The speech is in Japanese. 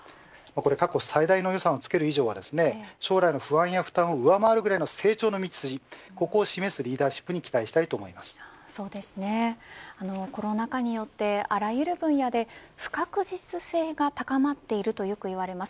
過去最大の予算をつける以上は将来の不安や負担を上回るぐらいの成長の道筋を示すリーダーシップにコロナ禍によってあらゆる分野で不確実性が高まっているよくいわれます。